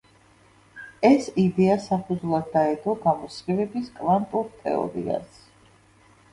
ეს იდეა საფუძვლად დაედო გამოსხივების კვანტურ თეორიას.